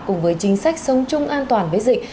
cùng với chính sách sống chung an toàn với dịch